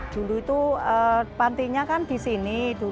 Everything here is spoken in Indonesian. dulu itu pantinya kan di sini